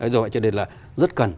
rồi cho đến là rất cần